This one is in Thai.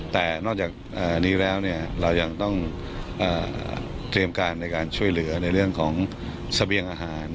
แต่นอกจากนี้แล้วเรายังต้องเตรียมการในการช่วยเหลือในเรื่องของเสบียงอาหาร